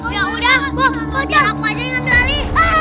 ya udah biar aku aja yang ngambil ali